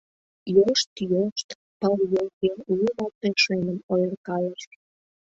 «Йошт-йошт!» — пыл йолге лу марте шӧным ойыркалыш.